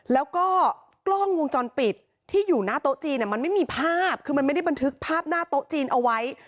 แล้วก็กล้องวงจรปิดที่อยู่หน้าโต๊ะจีนมันไม่มีภาพคือมันไม่ได้บันทึกภาพหน้าโต๊ะจีนเอาไว้